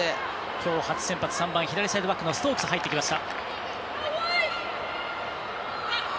きょう初先発左サイドバックのストークスが入ってきました。